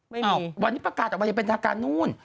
ไม่มีวันนี้ประกาศเอาไปเป็นฐาคานูน